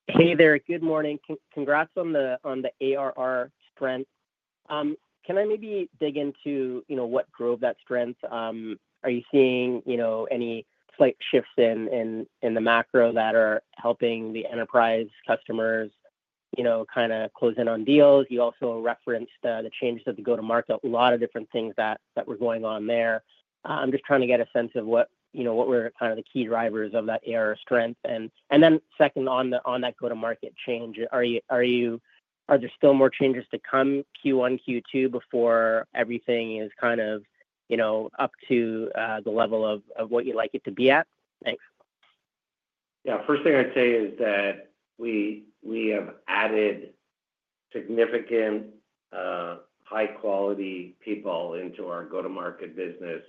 Hey there. Good morning. Congrats on the ARR strength. Can I maybe dig into what drove that strength? Are you seeing any slight shifts in the macro that are helping the enterprise customers kind of close in on deals? You also referenced the changes of the go-to-market, a lot of different things that were going on there. I'm just trying to get a sense of what were kind of the key drivers of that ARR strength. And then second, on that go-to-market change, are there still more changes to come Q1, Q2 before everything is kind of up to the level of what you'd like it to be at? Thanks. Yeah. First thing I'd say is that we have added significant high-quality people into our go-to-market business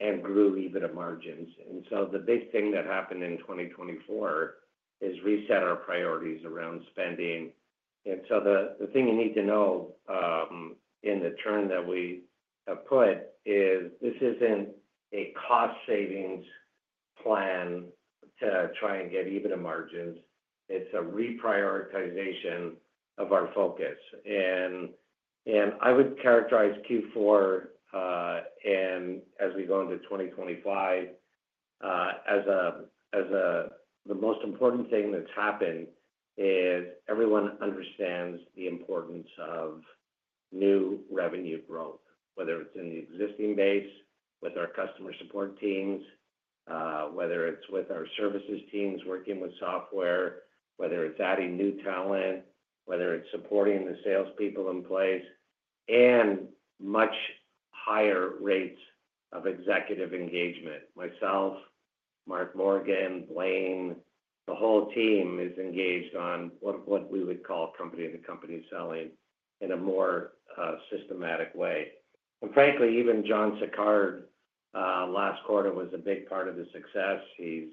and grew even at margins. And so the big thing that happened in 2024 is reset our priorities around spending. And so the thing you need to know in the term that we have put is this isn't a cost-savings plan to try and get even at margins. It's a reprioritization of our focus. And I would characterize Q4 and as we go into 2025 as the most important thing that's happened is everyone understands the importance of new revenue growth, whether it's in the existing base with our customer support teams, whether it's with our services teams working with software, whether it's adding new talent, whether it's supporting the salespeople in place, and much higher rates of executive engagement. Myself, Mark Morgan, Blaine, the whole team is engaged on what we would call company-to-company selling in a more systematic way. And frankly, even John Sicard last quarter was a big part of the success. He's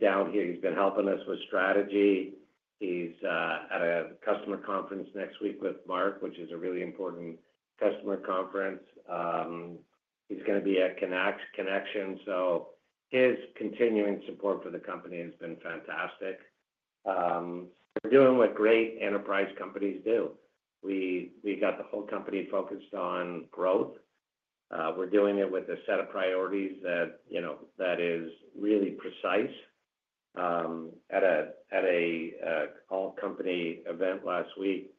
down here. He's been helping us with strategy. He's at a customer conference next week with Mark, which is a really important customer conference. He's going to be at Kinexions. So his continuing support for the company has been fantastic. We're doing what great enterprise companies do. We got the whole company focused on growth. We're doing it with a set of priorities that is really precise. At an all-company event last week,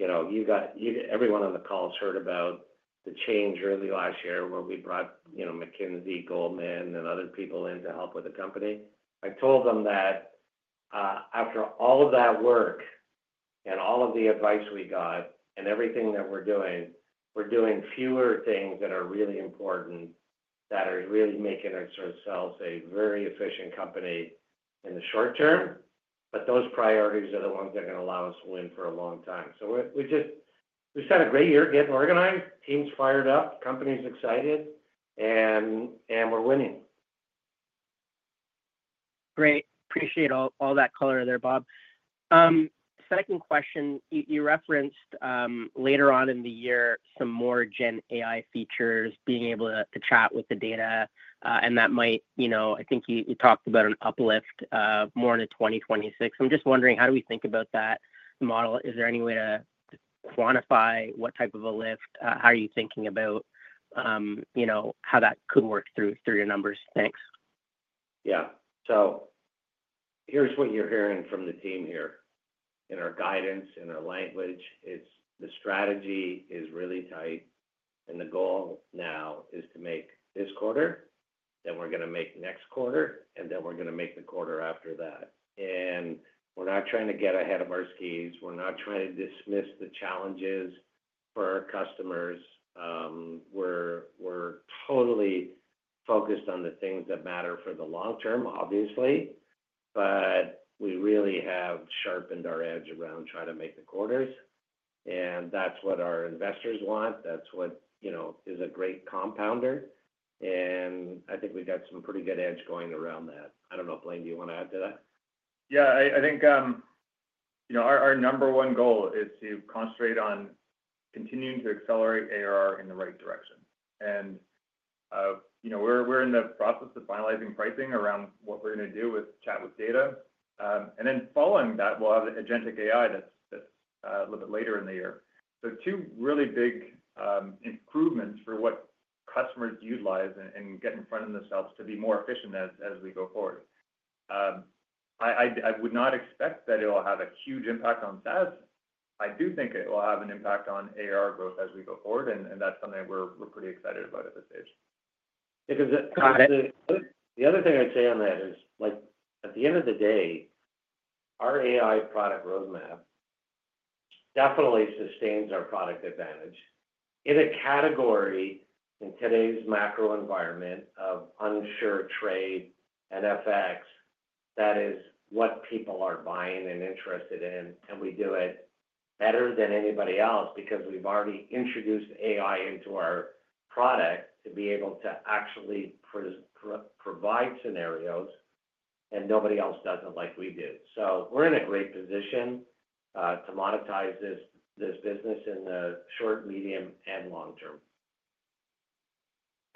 everyone on the calls heard about the change early last year where we brought McKinsey, Goldman, and other people in to help with the company. I told them that after all of that work and all of the advice we got and everything that we're doing, we're doing fewer things that are really important that are really making us ourselves a very efficient company in the short term, but those priorities are the ones that are going to allow us to win for a long time. So we've had a great year getting organized, teams fired up, companies excited, and we're winning. Great. Appreciate all that color there, Bob.Second question, you referenced later on in the year some more GenAI features, being able to chat with the data, and that might, I think you talked about an uplift more into 2026. I'm just wondering, how do we think about that model? Is there any way to quantify what type of a lift? How are you thinking about how that could work through your numbers? Thanks. Yeah. So here's what you're hearing from the team here. In our guidance, in our language, the strategy is really tight, and the goal now is to make this quarter, then we're going to make next quarter, and then we're going to make the quarter after that. And we're not trying to get ahead of our skis. We're not trying to dismiss the challenges for our customers. We're totally focused on the things that matter for the long term, obviously, but we really have sharpened our edge around trying to make the quarters. And that's what our investors want. That's what is a great compounder. And I think we've got some pretty good edge going around that. I don't know, Blaine, do you want to add to that? Yeah. I think our number one goal is to concentrate on continuing to accelerate ARR in the right direction. And we're in the process of finalizing pricing around what we're going to do with chat with data. And then following that, we'll have agentic AI that's a little bit later in the year. So two really big improvements for what customers utilize and get in front of themselves to be more efficient as we go forward. I would not expect that it will have a huge impact on SaaS.I do think it will have an impact on ARR growth as we go forward, and that's something we're pretty excited about at this stage. The other thing I'd say on that is, at the end of the day, our AI product roadmap definitely sustains our product advantage. In a category in today's macro environment of unsure trade, SaaS, that is what people are buying and interested in, and we do it better than anybody else because we've already introduced AI into our product to be able to actually provide scenarios, and nobody else does it like we do. So we're in a great position to monetize this business in the short, medium, and long term.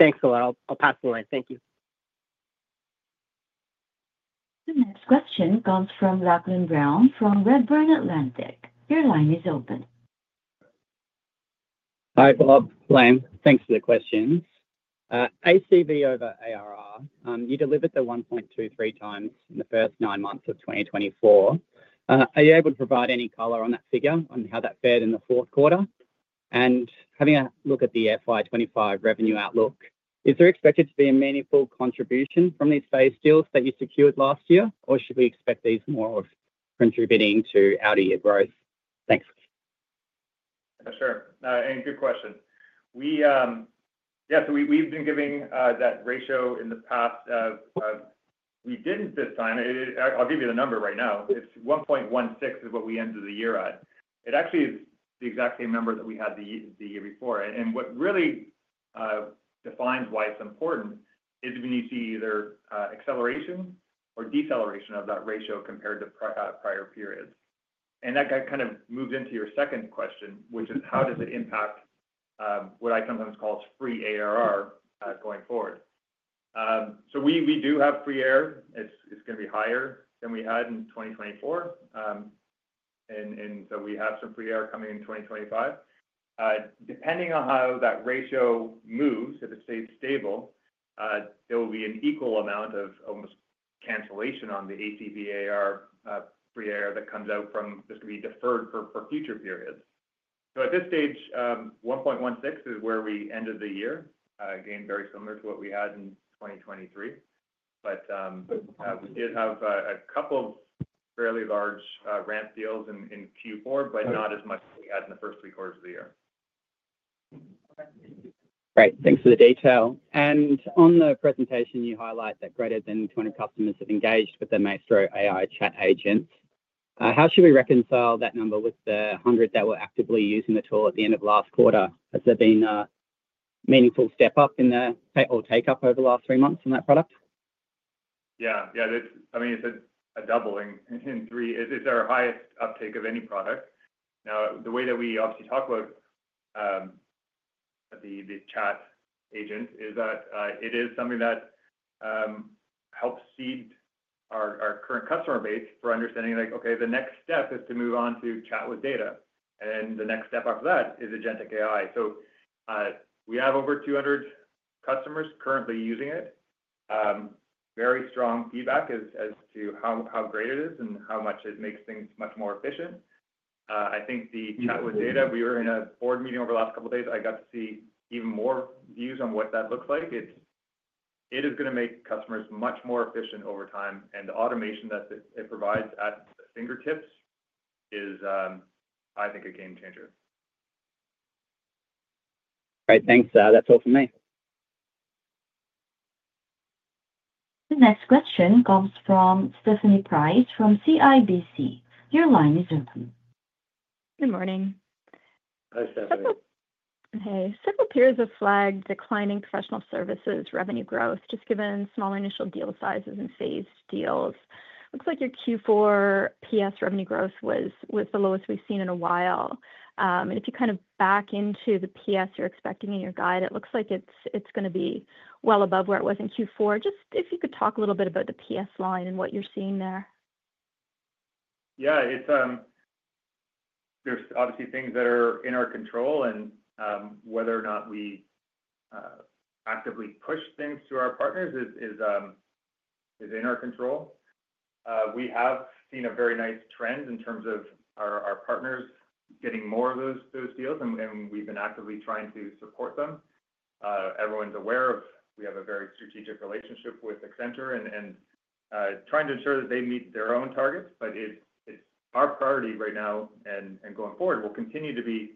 Thanks, Phil. I'll pass the line. Thank you. The next question comes from Lachlan Brown from Redburn Atlantic. Your line is open. Hi, Bob, Blaine. Thanks for the questions. ACV over ARR.You delivered the 1.23x in the first nine months of 2024. Are you able to provide any color on that figure, on how that fared in the Q1? And having a look at the FY25 revenue outlook, is there expected to be a meaningful contribution from these phase deals that you secured last year, or should we expect these more of contributing to out-of-year growth? Thanks. Sre. And good question. Yeah. So we've been giving that ratio in the past. We didn't this time. I'll give you the number right now. It's 1.16 is what we ended the year at. It actually is the exact same number that we had the year before. And what really defines why it's important is when you see either acceleration or deceleration of that ratio compared to prior periods. That kind of moves into your second question, which is how does it impact what I sometimes call free ARR going forward? We do have free ARR. It's going to be higher than we had in 2024. We have some free ARR coming in 2025. Depending on how that ratio moves, if it stays stable, there will be an equal amount of almost cancellation on the ACV ARR free ARR that comes out from this could be deferred for future periods. At this stage, 1.16 is where we ended the year, again, very similar to what we had in 2023. But we did have a couple of fairly large ramp deals in Q4, but not as much as we had in the first three quarters of the year. Right. Thanks for the detail. On the presentation, you highlight that greater than 200 customers have engaged with the Maestro AI chat agents. How should we reconcile that number with the 100 that were actively using the tool at the end of last quarter? Has there been a meaningful step up in the take-up over the last three months on that product? Yeah. Yeah. I mean, it's a doubling in three. It's our highest uptake of any product. Now, the way that we obviously talk about the chat agent is that it is something that helps seed our current customer base for understanding like, "Okay, the next step is to move on to chat with data." Then the next step after that is agentic AI. So we have over 200 customers currently using it. Very strong feedback as to how great it is and how much it makes things much more efficient. I think the chat with data, we were in a board meeting over the last couple of days. I got to see even more views on what that looks like. It is going to make customers much more efficient over time. And the automation that it provides at the fingertips is, I think, a game changer. All right. Thanks. That's all for me. The next question comes from Stephanie Price from CIBC. Your line is open. Good morning. Hi, Stephanie. Okay. Several peers have flagged declining professional services revenue growth, just given small initial deal sizes and phased deals. Looks like your Q4 PS revenue growth was the lowest we've seen in a while. And if you kind of back into the PS you're expecting in your guide, it looks like it's going to be well above where it was in Q4.Just if you could talk a little bit about the PS line and what you're seeing there. Yeah. There's obviously things that are in our control, and whether or not we actively push things to our partners is in our control. We have seen a very nice trend in terms of our partners getting more of those deals, and we've been actively trying to support them. Everyone's aware of we have a very strategic relationship with Accenture and trying to ensure that they meet their own targets, but it's our priority right now and going forward. We'll continue to be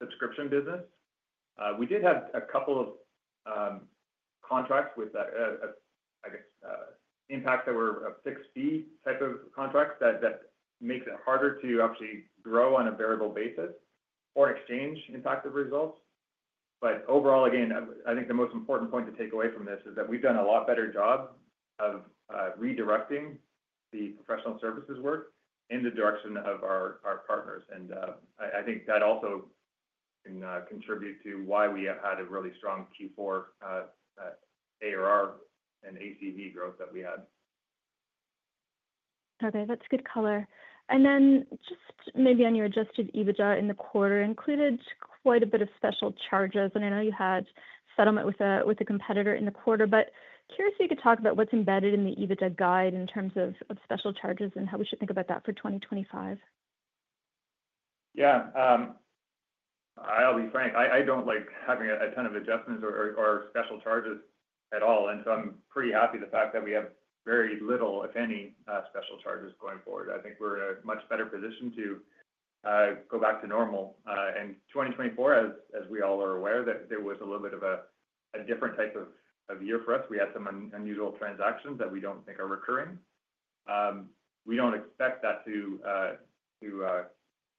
subscription business. We did have a couple of contracts with, I guess, Genpact that were a fixed fee type of contract that makes it harder to actually grow on a variable basis or exchange impact of results. But overall, again, I think the most important point to take away from this is that we've done a lot better job of redirecting the professional services work in the direction of our partners. And I think that also can contribute to why we have had a really strong Q4 ARR and ACV growth that we had. Okay. That's good color. And then just maybe on your adjusted EBITDA in the quarter included quite a bit of special charges. And I know you had settlement with a competitor in the quarter, but curious if you could talk about what's embedded in the EBITDA guide in terms of special charges and how we should think about that for 2025. Yeah. I'll be frank. I don't like having a ton of adjustments or special charges at all. And so I'm pretty happy the fact that we have very little, if any, special charges going forward. I think we're in a much better position to go back to normal. And 2024, as we all are aware, that there was a little bit of a different type of year for us. We had some unusual transactions that we don't think are recurring. We don't expect that to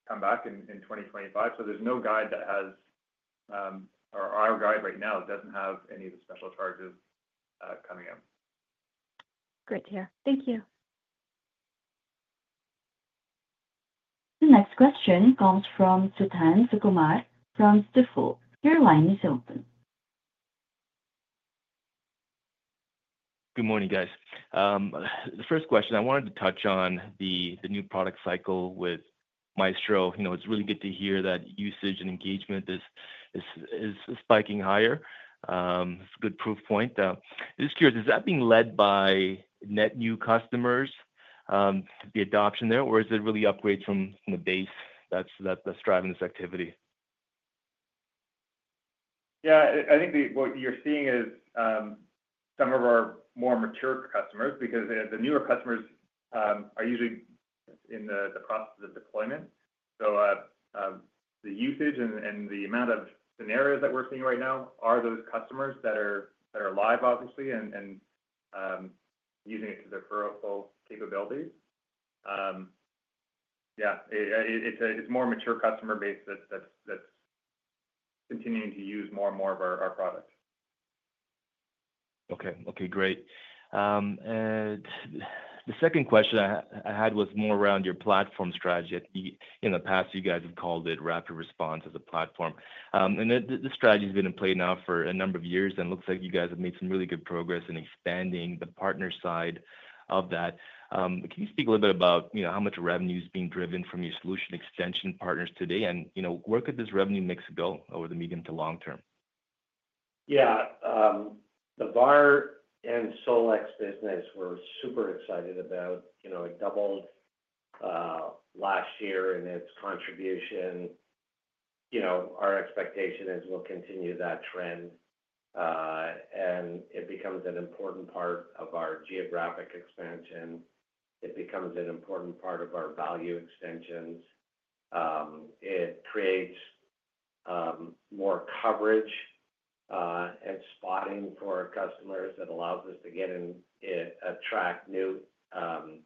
come back in 2025. So there's no guide that has our guide right now doesn't have any of the special charges coming up. Great to hear. Thank you. The next question comes from Suthan Sukumar from Stifel.Your line is open. Good morning, guys. The first question I wanted to touch on the new product cycle with Maestro. It's really good to hear that usage and engagement is spiking higher. It's a good proof point. Just curious, is that being led by net new customers, the adoption there, or is it really upgrades from the base that's driving this activity? Yeah. I think what you're seeing is some of our more mature customers because the newer customers are usually in the process of deployment. So the usage and the amount of scenarios that we're seeing right now are those customers that are live, obviously, and using it to their full capabilities. Yeah. It's a more mature customer base that's continuing to use more and more of our product. Okay, okay. Great, the second question I had was more around your platform strategy. In the past, you guys have called it RapidResponse as a platform. And the strategy has been in play now for a number of years, and it looks like you guys have made some really good progress in expanding the partner side of that. Can you speak a little bit about how much revenue is being driven from your Solution Extension partners today? And where could this revenue mix go over the medium to long term? Yeah. The VAR and SolEx business, we're super excited about. It doubled last year in its contribution. Our expectation is we'll continue that trend. And it becomes an important part of our geographic expansion. It becomes an important part of our value extensions. It creates more coverage and spotting for our customers that allows us to get in and attract new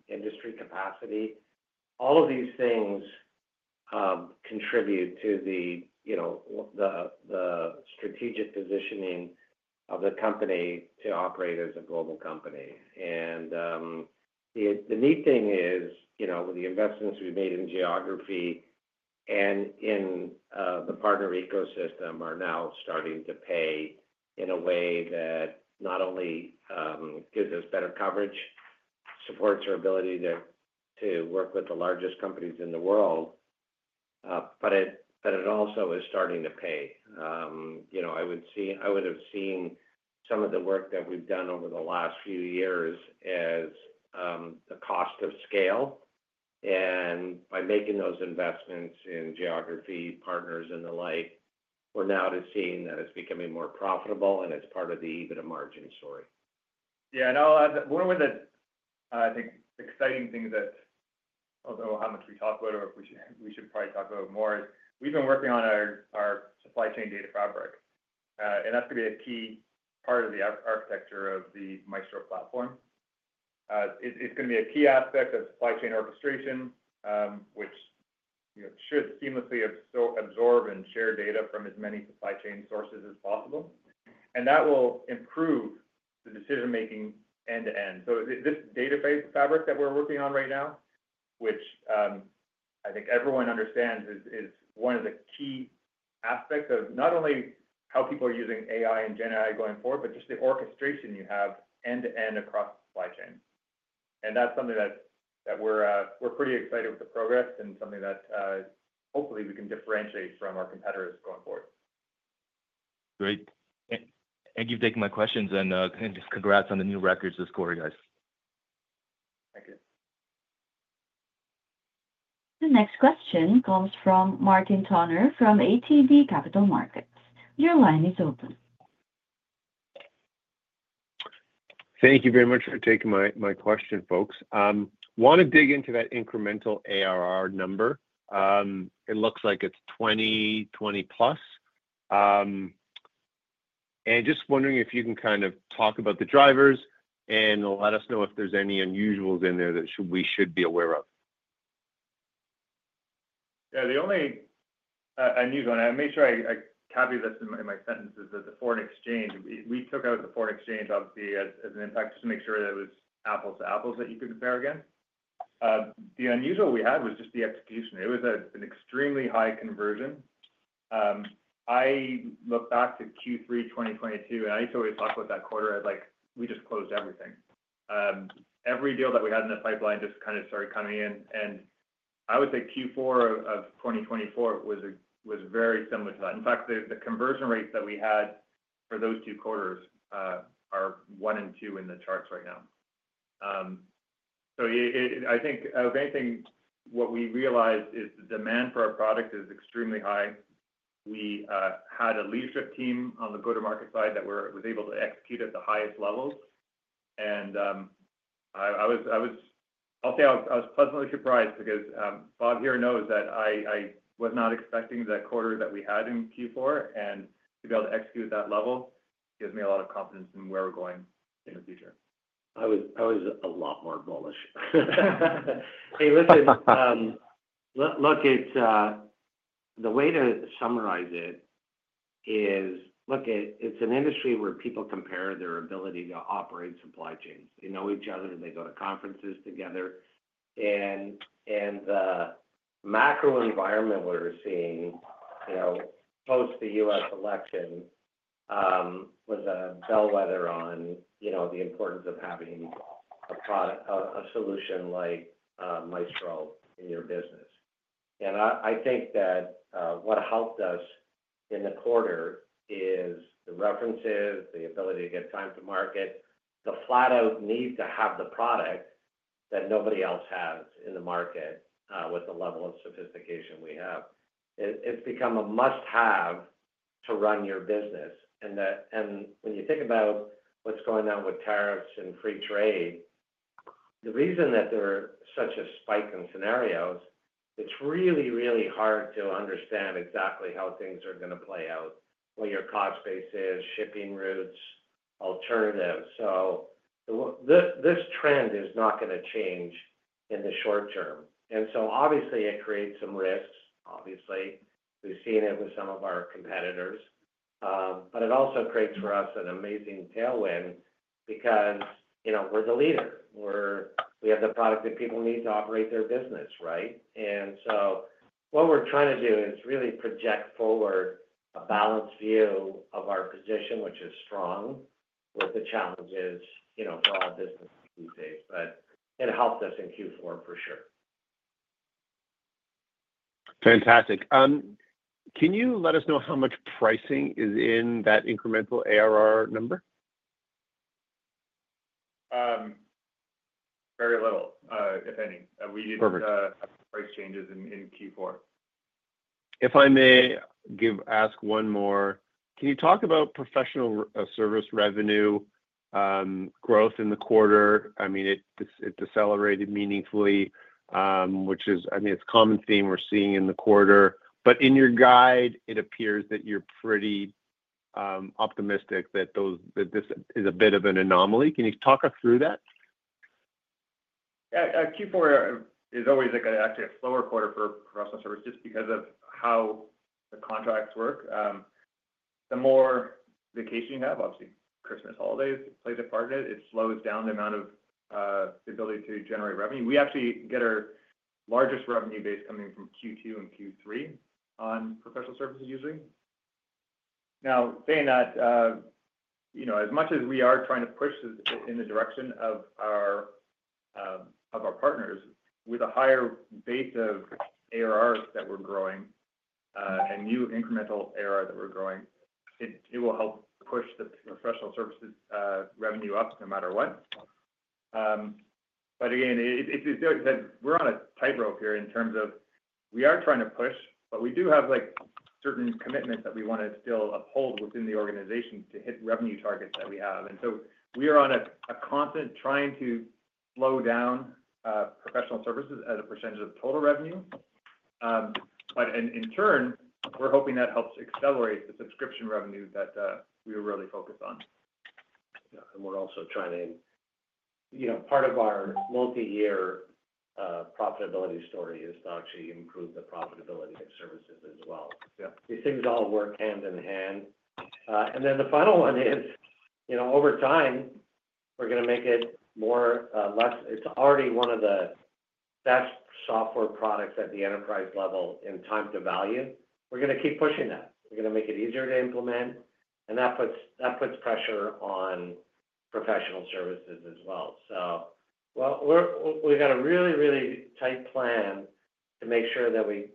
industry capacity. All of these things contribute to the strategic positioning of the company to operate as a global company. And the neat thing is with the investments we've made in geography and in the partner ecosystem are now starting to pay in a way that not only gives us better coverage, supports our ability to work with the largest companies in the world, but it also is starting to pay. I would have seen some of the work that we've done over the last few years as the cost of scale. And by making those investments in geography, partners, and the like, we're now just seeing that it's becoming more profitable, and it's part of the EBITDA margin story. Yeah. And one of the, I think, exciting things that, although how much we talk about it, or we should probably talk about it more, is we've been working on our Supply Chain Data Fabric. And that's going to be a key part of the architecture of the Maestro platform. It's going to be a key aspect of supply chain orchestration, which should seamlessly absorb and share data from as many supply chain sources as possible. And that will improve the decision-making end-to-end. So this data fabric that we're working on right now, which I think everyone understands is one of the key aspects of not only how people are using AI and GenAI going forward, but just the orchestration you have end-to-end across the supply chain. And that's something that we're pretty excited with the progress and something that hopefully we can differentiate from our competitors going forward. Great. Thank you for taking my questions. And congrats on the new records this quarter, guys. Thank you. The next question comes from Martin Toner from ATB Capital Markets. Your line is open. Thank you very much for taking my question, folks. Want to dig into that incremental ARR number.It looks like it's 20,000,000-plus, and just wondering if you can kind of talk about the drivers and let us know if there's any unusuals in there that we should be aware of. Yeah. The only unusual, and I made sure I copy this in my sentences, is that the foreign exchange. We took out the foreign exchange, obviously, as an impact just to make sure that it was apples to apples that you could compare against. The unusual we had was just the execution. It was an extremely high conversion. I look back to Q3 2022, and I used to always talk about that quarter as we just closed everything. Every deal that we had in the pipeline just kind of started coming in, and I would say Q4 of 2024 was very similar to that. In fact, the conversion rates that we had for those two quarters are one and two in the charts right now. So I think, of anything, what we realized is the demand for our product is extremely high. We had a leadership team on the go-to-market side that was able to execute at the highest levels. And I'll say I was pleasantly surprised because Bob here knows that I was not expecting the quarter that we had in Q4. And to be able to execute at that level gives me a lot of confidence in where we're going in the future. I was a lot more bullish. Hey, listen. Look, the way to summarize it is, look, it's an industry where people compare their ability to operate supply chains. They know each other. They go to conferences together. The macro environment we're seeing post the U.S. election was a bellwether on the importance of having a solution like Maestro in your business. I think that what helped us in the quarter is the references, the ability to get time to market, the flat-out need to have the product that nobody else has in the market with the level of sophistication we have. It's become a must-have to run your business. When you think about what's going on with tariffs and free trade, the reason that there are such a spike in scenarios, it's really, really hard to understand exactly how things are going to play out, what your cost base is, shipping routes, alternatives. This trend is not going to change in the short term. So obviously, it creates some risks, obviously. We've seen it with some of our competitors. But it also creates for us an amazing tailwind because we're the leader. We have the product that people need to operate their business, right? And so what we're trying to do is really project forward a balanced view of our position, which is strong with the challenges for our business these days. But it helped us in Q4 for sure. Fantastic. Can you let us know how much pricing is in that incremental ARR number? Very little, if any. We didn't have price changes in Q4. If I may ask one more, can you talk about professional service revenue growth in the quarter? I mean, it's accelerated meaningfully, which is, I mean, it's a common theme we're seeing in the quarter. But in your guide, it appears that you're pretty optimistic that this is a bit of an anomaly. Can you talk us through that? Yeah.Q4 is always actually a slower quarter for professional service just because of how the contracts work. The more vacation you have, obviously, Christmas holidays play a part in it. It slows down the amount of the ability to generate revenue. We actually get our largest revenue base coming from Q2 and Q3 on professional services usually. Now, saying that, as much as we are trying to push in the direction of our partners with a higher base of ARRs that we're growing and new incremental ARR that we're growing, it will help push the professional services revenue up no matter what. But again, like I said, we're on a tightrope here in terms of we are trying to push, but we do have certain commitments that we want to still uphold within the organization to hit revenue targets that we have. And so we are constantly trying to slow down professional services as a percentage of total revenue. But in turn, we're hoping that helps accelerate the subscription revenue that we are really focused on. Yeah. And we're also trying to, part of our multi-year profitability story is to actually improve the profitability of services as well. These things all work hand in hand. And then the final one is, over time, we're going to make it more or less, it's already one of the best software products at the enterprise level in time to value. We're going to keep pushing that. We're going to make it easier to implement. And that puts pressure on professional services as well. So we've got a really, really tight plan to make sure that we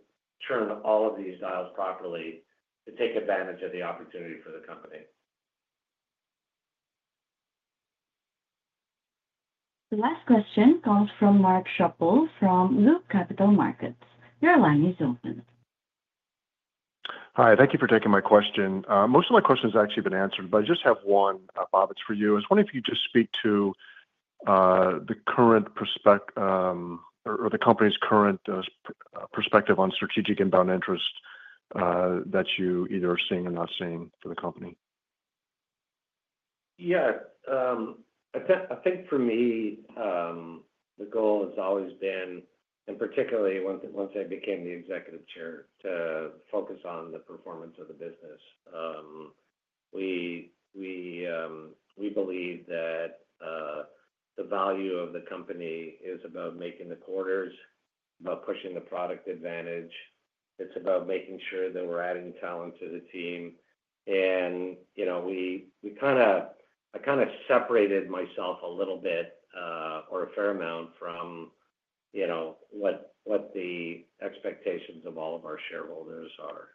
turn all of these dials properly to take advantage of the opportunity for the company. The last question comes from Mark Schappel from Loop Capital Markets. Your line is open. Hi. Thank you for taking my question. Most of my questions have actually been answered, but I just have one, Bob. It's for you. I was wondering if you could just speak to the current perspective or the company's current perspective on strategic inbound interest that you either are seeing or not seeing for the company. Yeah. I think for me, the goal has always been, and particularly once I became the executive chair, to focus on the performance of the business. We believe that the value of the company is about making the quarters, about pushing the product advantage. It's about making sure that we're adding talent to the team. And I kind of separated myself a little bit or a fair amount from what the expectations of all of our shareholders are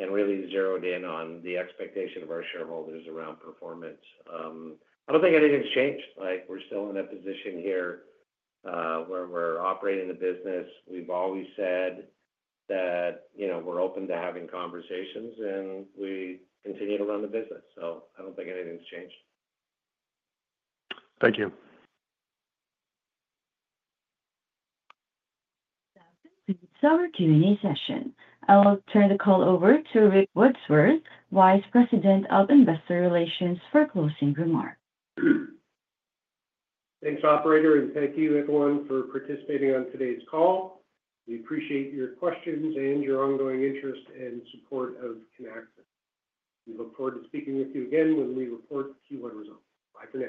and really zeroed in on the expectation of our shareholders around performance. I don't think anything's changed. We're still in a position here where we're operating the business. We've always said that we're open to having conversations, and we continue to run the business. So I don't think anything's changed. Thank you. That concludes our Q&A session. I'll turn the call over to Rick Wadsworth, Vice President of Investor Relations for closing remarks. Thanks, operator. And thank you, everyone, for participating on today's call. We appreciate your questions and your ongoing interest and support of Kinaxis. We look forward to speaking with you again when we report Q1 results. Bye, everybody.